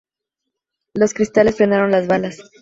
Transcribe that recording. Los cristales frenaron las balas.